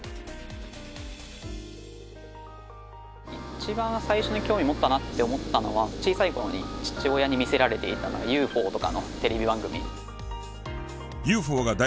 一番最初に興味を持ったなって思ったのは小さい頃に父親に見せられていたＵＦＯとかのテレビ番組。